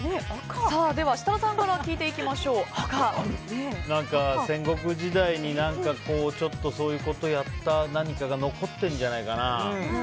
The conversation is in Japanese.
では設楽さんから戦国時代に何かちょっとそういうことをやった何かが残ってるんじゃないかな。